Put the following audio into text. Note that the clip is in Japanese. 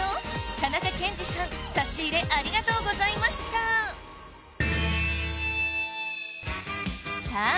田中健二さん差し入れありがとうございましたさあ